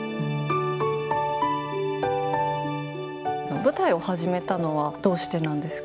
舞台を始めたのはどうしてなんですか？